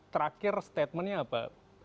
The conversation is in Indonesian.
terakhir statementnya apa